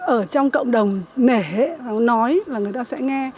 ở trong cộng đồng nể nói và người ta sẽ nghe